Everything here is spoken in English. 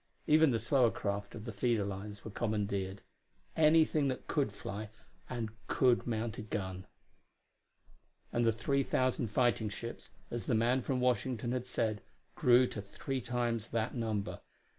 Even the slower craft of the feeder lines were commandeered; anything that could fly and could mount a gun. And the three thousand fighting ships, as the man from Washington had said, grew to three times that number.